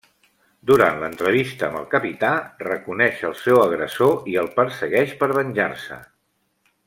Durant l'entrevista amb el capità, reconeix el seu agressor i el persegueix per venjar-se.